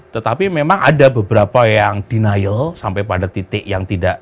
tetapi memang ada beberapa yang denial sampai pada titik yang tidak